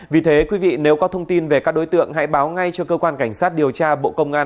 vì thế quý vị nếu có thông tin về các đối tượng hãy báo ngay cho cơ quan cảnh sát điều tra bộ công an